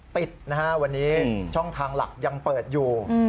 ปิดนะฮะวันนี้ช่องทางหลักยังเปิดอยู่